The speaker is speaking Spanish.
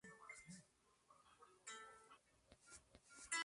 Es uno de los municipios más nuevos del sudeste de Pará.